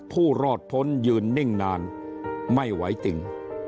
ผู้รอดพ้นยืนนิ่งนานไม่ไหวจริง